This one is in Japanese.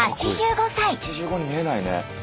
８５に見えないね。